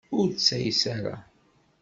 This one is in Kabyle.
Ur ttayes ara.